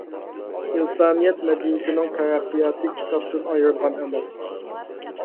ئىنسانىيەت مەدەنىيىتىنىڭ تەرەققىياتى كىتابتىن ئايرىلغان ئەمەس.